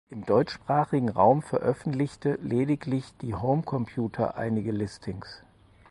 Im deutschsprachigen Raum veröffentlichte lediglich die Homecomputer einige Listings.